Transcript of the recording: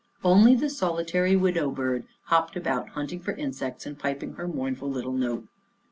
Only the solitary " widow bird " hopped about hunting for insects and piping her mournful little note.